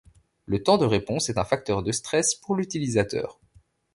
Le temps de réponse est un facteur de stress pour l'utilisateur.